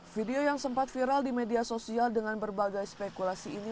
video yang sempat viral di media sosial dengan berbagai spekulasi ini